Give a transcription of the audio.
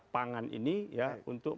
pangan ini untuk